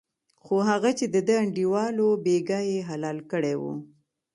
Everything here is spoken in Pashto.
خو هغه چې دده انډیوال و بېګا یې حلال کړی و.